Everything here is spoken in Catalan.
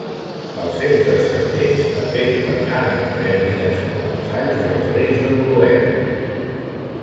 Els seus descendents també governaren les Hèbrides com a vassalls dels reis de Noruega.